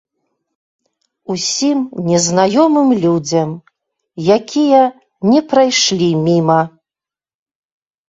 Усім незнаёмым людзям, якія не прайшлі міма.